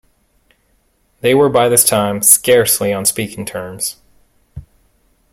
They were by this time scarcely on speaking terms.